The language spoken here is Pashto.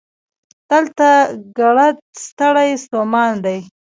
دلته ګړد ستړي ستومانه دي